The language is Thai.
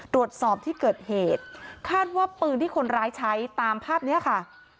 ตรวจสอบที่เกิดเหตุคาดว่าปืนที่คนร้ายใช้ตามภาพนี้ค่ะ